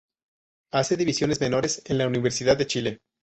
Hace divisiones menores en la Universidad de Chile.